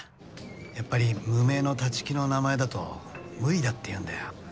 やっぱり無名の立木の名前だと無理だって言うんだよ。